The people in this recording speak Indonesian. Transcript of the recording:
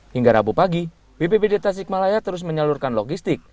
hingga rabu pagi bpbd tasik malaya terus menyalurkan logistik